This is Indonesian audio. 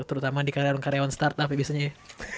terutama di kalangan karyawan startup ya biasanya ya